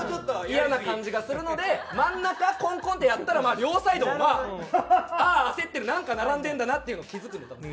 イヤな感じがするので真ん中コンコンってやったらまあ両サイドも「ああ焦ってるなんか並んでるんだな」っていうのを気付くので多分。